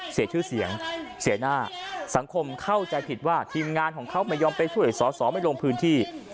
เสียชื่อเสียงเสียหน้าสังคมเข้าใจผิดว่าทีมงานของเขาไม่ยอมไปช่วยสอสอไม่ลงพื้นที่